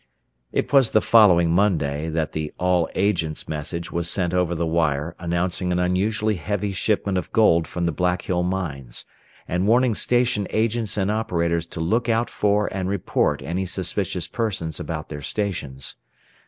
It was the following Monday that the "all agents" message was sent over the wire announcing an unusually heavy shipment of gold from the Black Hill Mines, and warning station agents and operators to look out for and report any suspicious persons about their stations.